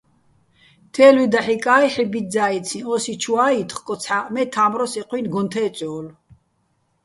თე́ლვი დაჵ ჲიკა́ჲ ჰ̦ე ბიძძა́იციჼ, ო́სი ჩუა́ ჲით ხკოცჰა́ჸ მე თა́მროს ეჴუ́ჲნი გოჼ თე́წჲო́ლო̆.